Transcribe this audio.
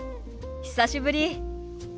久しぶり。